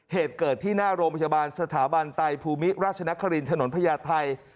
เหตุเกิดที่หน้าโรงพยาบาลสถาบันไตภูมิราชนครินถนนพญาไทย